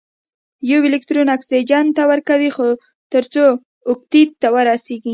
یو الکترون اکسیجن ته ورکوي تر څو اوکتیت ته ورسیږي.